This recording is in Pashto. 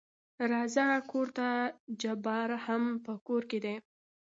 راځه کورته جبار هم په کور کې دى.